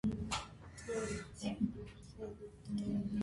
Նրա հայրը նավաստի էր։